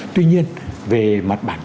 tuy nhiên về mặt bản thân